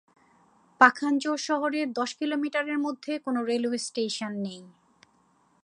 পাখানজোড় শহরের দশ কিলোমিটারের মধ্যে কোনো রেলওয়ে স্টেশন নেই।